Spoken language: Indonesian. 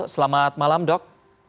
selamat malam dok